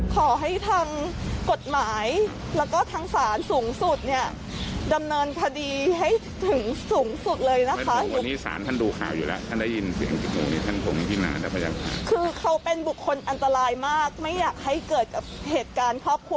ขอบคุณมากค่ะขอบคุณนะคะ